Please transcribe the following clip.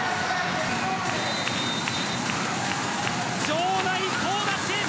場内総立ち！